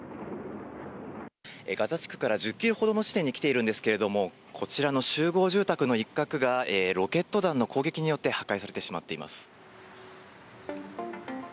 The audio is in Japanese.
ガザ地区から１０ｋｍほどの地点に来ているんですけどもこちらの集合住宅の一角がロケット弾の攻撃によって破壊されてしまっています。